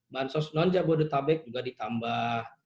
bansos non jabodetabek juga ditambah